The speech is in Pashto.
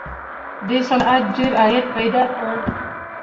دې صنعت ډېر عاید پیدا کړ